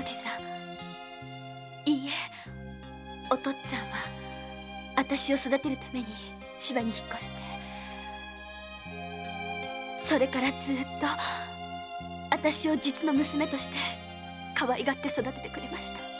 っつぁんはあたしを育てるために芝に引っ越してそれからずうっとあたしを実の娘としてかわいがって育ててくれました。